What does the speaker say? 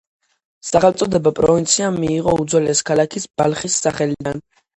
სახელწოდება პროვინციამ მიიღო უძველესი ქალაქის ბალხის სახელიდან.